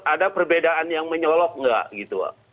ada perbedaan yang menyolok nggak gitu